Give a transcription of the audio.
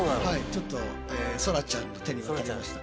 ちょっとそらちゃんの手に渡りました。